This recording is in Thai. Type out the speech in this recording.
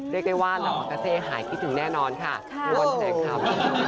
เรียกได้ว่าหลังวันกาเซหายคิดถึงแน่นอนค่ะคุณผู้ชมครับ